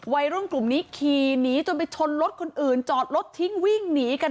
วัยรุ่นกลุ่มนี้ขี่หนีจนไปชนรถคนอื่นจอดรถทิ้งวิ่งหนีกัน